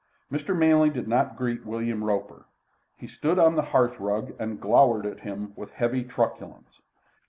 Mr. Manley did not greet William Roper. He stood on the hearth rug and glowered at him with heavy truculence.